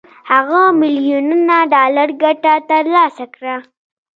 هغه میلیونونه ډالر ګټه تر لاسه کړه